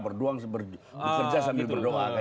berduang bekerja sambil berdoa